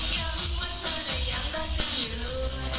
ยังว่าเธอน่ะยังแปลกกันอยู่